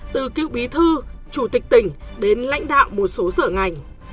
từ cựu bí thư chủ tịch tỉnh đến lãnh đạo một số sở ngành